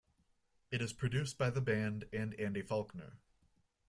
It is produced by the band and Andy Faulkner.